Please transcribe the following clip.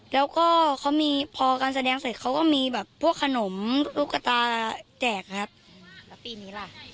แล้วก็เขามีพอการแสดงเสร็จเขาก็มีแบบพวกขนมตุ๊กตาแจกครับแล้วปีนี้ล่ะ